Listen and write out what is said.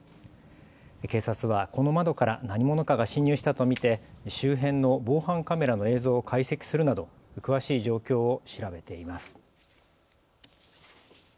警察はこの窓から何者かが侵入したと見て周辺の防犯カメラの映像を解析するなど詳しい状況を調べています。